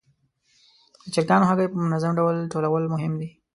د چرګانو هګۍ په منظم ډول ټولول مهم دي.